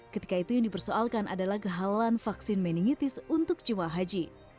ketika itu yang dipersoalkan adalah kehalalan vaksin meningitis untuk jemaah haji